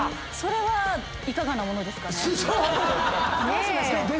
それはいかがなものですかね。